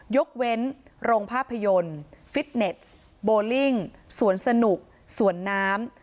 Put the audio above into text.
ยกเว้นโรงภาพยนตร์ฟิตเนสโบลิ่งสวนสนุกสวนน้ำ